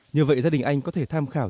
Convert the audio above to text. như vậy gia đình anh có thể tham khảo